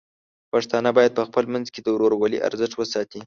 پښتانه بايد په خپل منځ کې د ورورولۍ ارزښت وساتي.